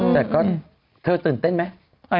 แต่ก็เธอตื่นเต้นไหม